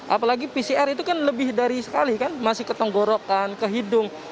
apalagi pcr itu kan lebih dari sekali kan masih ketenggorokan kehidung